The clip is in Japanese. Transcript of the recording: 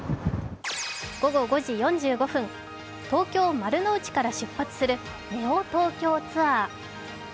午後５時４５分、東京・丸の内から出発するネオトーキョーツアー。